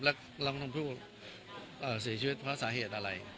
แล้วเราก็ต้องพูดเสียชีวิตเพราะสาเหตุอะไร